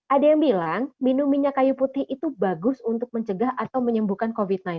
ada yang bilang minum minyak kayu putih itu bagus untuk mencegah atau menyembuhkan covid sembilan belas